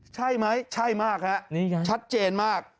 ใช่มั้ยใช่มากค่ะชัดเจนมาก